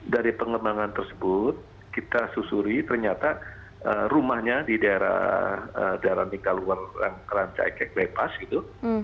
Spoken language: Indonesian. dari pengembangan tersebut kita susuri ternyata rumahnya di daerah daerah tingkat luar dan keranjang kek lepas gitu